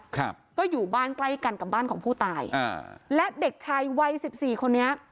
ครับก็อยู่บ้านใกล้กันกับบ้านของผู้ตายอ่าและเด็กชายวัยสิบสี่คนนี้